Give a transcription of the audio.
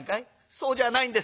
「そうじゃないんです」。